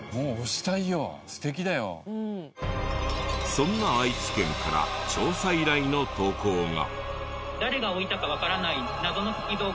そんな愛知県から調査依頼の投稿が。